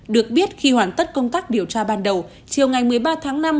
được biết khi hoàn tất công tác điều tra ban đầu chiều ngày một mươi ba tháng năm